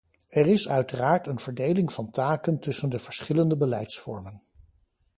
Er is uiteraard een verdeling van taken tussen de verschillende beleidsvormen.